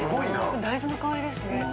大豆の香りですね。